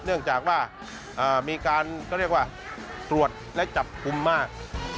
เนื่องจากว่ามีการก็เรียกว่าตรวจและจับกลุ่มมาก